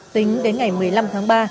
tính đến ngày một mươi năm tháng ba